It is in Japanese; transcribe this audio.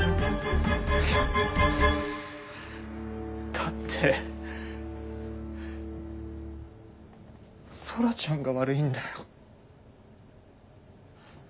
だって空ちゃんが悪いんだよ。